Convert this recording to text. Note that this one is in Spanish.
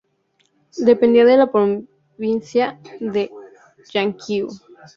Dependía de la Provincia de Llanquihue.